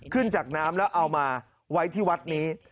ขึ้นจากน้ำแล้วเอามาไว้ที่วัดนี้